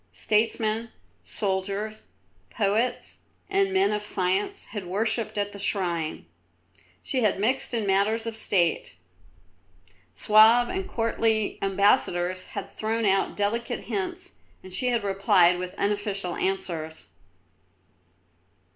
Statesmen, soldiers, poets, and men of science had worshipped at the shrine. She had mixed in matters of State. Suave and courtly ambassadors had thrown out delicate hints, and she had replied with unofficial answers.